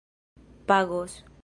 pagos